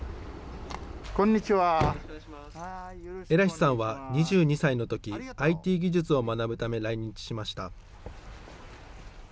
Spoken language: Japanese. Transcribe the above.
エラヒさんは２２歳のとき、ＩＴ技術を学ぶため来日しました。